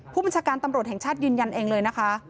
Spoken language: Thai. ผู้บัญชาการตำรวจแห่งชาติยืนยันเองเลยนะคะ